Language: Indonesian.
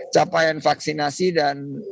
capaian vaksinasi dan